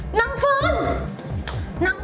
น้ำเฟิร์น